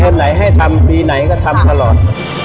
ไหนให้ทำปีไหนก็ทำตลอด